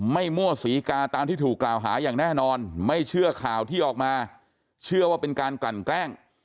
มั่วศรีกาตามที่ถูกกล่าวหาอย่างแน่นอนไม่เชื่อข่าวที่ออกมาเชื่อว่าเป็นการกลั่นแกล้ง